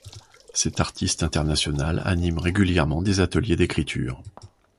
Cette artiste internationale anime régulièrement des ateliers d'écriture.